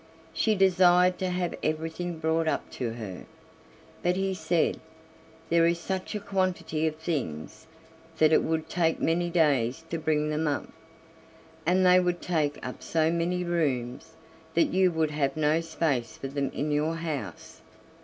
She desired to have everything brought up to her, but he said: "There is such a quantity of things that it would take many days to bring them up, and they would take up so many rooms that you would have no space for them in your house."